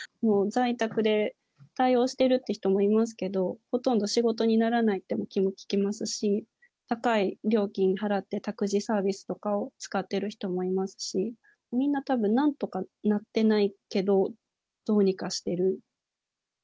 もう在宅で対応してるっていう人もいますけど、ほとんど仕事にならないって聞きますし、高い料金払って託児サービスとかを使っている人もいますし、みんな、たぶん、なんとかなってないけど、どうにかしてる。